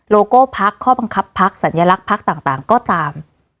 โก้พักข้อบังคับพักสัญลักษณ์พักต่างก็ตาม